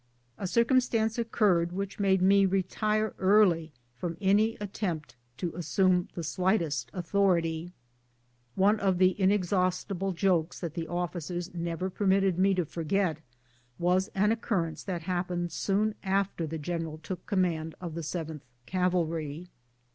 A circumstance occurred which made me retire early from any attempt to assume the slightest authority. One of the inexhaustible jokes that the offi cers never permitted me to forget was an occurrence that happened soon after the general took command of the 7th Cavalry.